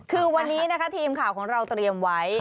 คือวันนี้นะคะทีมข่าวของเราเตรียมไว้